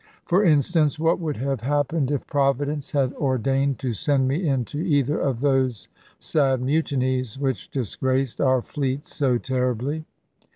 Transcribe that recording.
For instance, what would have happened if Providence had ordained to send me into either of those sad mutinies which disgraced our fleets so terribly?